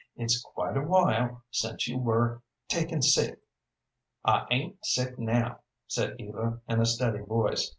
"It's quite a while since you were taken sick." "I ain't sick now," said Eva, in a steady voice.